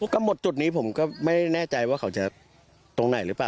ก็หมดจุดนี้ผมก็ไม่แน่ใจว่าเขาจะตรงไหนหรือเปล่า